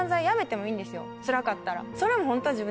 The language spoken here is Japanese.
つらかったら。